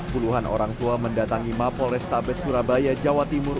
puluhan orang tua mendatangi mapol restabes surabaya jawa timur